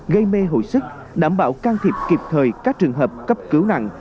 gây mê hồi sức đảm bảo can thiệp kịp thời các trường hợp cấp cứu nặng